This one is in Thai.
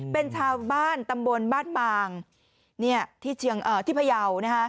เป็นชาวบ้านตำบลบ้านมางที่เชียงเอ่อที่พยาวนะฮะ